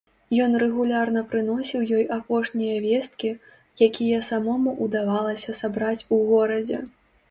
Ён рэгулярна прыносіў ёй апошнія весткі, якія самому ўдавалася сабраць у горадзе.